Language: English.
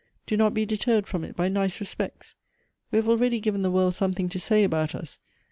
Do not be de terred from it by nice respects. We have already given the world something to say about us.